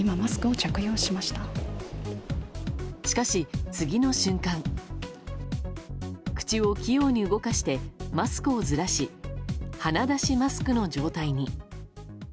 しかし、次の瞬間口を器用に動かしてマスクをずらし鼻出しマスクの状態に。